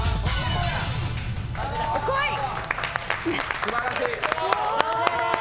すばらしい。